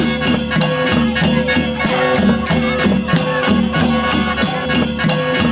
มาอีบิโบร่ง